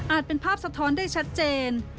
เป็นภาพสะท้อนได้ชัดเจน